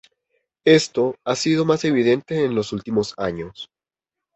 Esto ha sido más evidente en los últimos años.